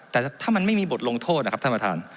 แต่ถ้ามันไม่มีบทลงโทษนะครับท่านประธาน